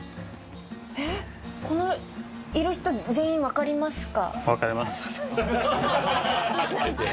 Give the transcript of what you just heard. えっこのいる人全員わかりますか？